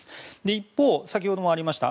一方、先ほどもありました